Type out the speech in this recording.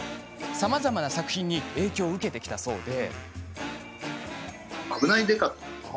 さまざまな作品に影響を受けてきたそうで。